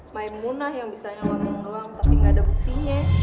maimunah yang bisa nyelam nyelam tapi gak ada buktinya